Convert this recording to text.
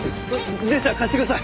自転車貸してください。